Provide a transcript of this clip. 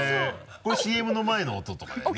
これＣＭの前の音とかだよね。